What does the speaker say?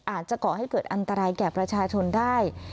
ก่อให้เกิดอันตรายแก่ประชาชนได้